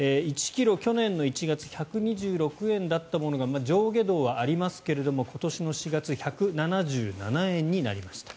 １ｋｇ、去年の１月１２６円だったものが上下動はありますが今年の４月１７７円になりました。